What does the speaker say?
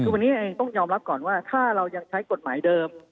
คือวันนี้เองต้องยอมรับก่อนว่าถ้าเรายังใช้กฎหมายเดิม